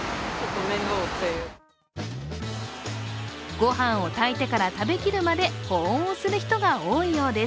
ご飯を炊いてから食べきるまで保温をする人が多いようです。